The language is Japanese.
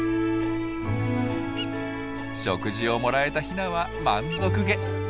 食事をもらえたヒナは満足げ。